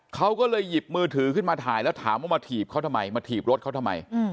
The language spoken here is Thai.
เขาก็เลยหยิบมือถือขึ้นมาถ่ายแล้วถามว่ามาถีบเขาทำไมมาถีบรถเขาทำไม